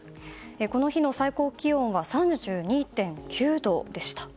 この日の最高気温は３２．９度でした。